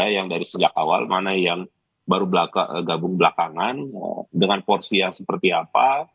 yang dari sejak awal mana yang baru gabung belakangan dengan porsi yang seperti apa